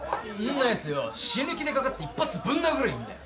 んなやつよ死ぬ気でかかって一発ぶん殴りゃいいんだよ。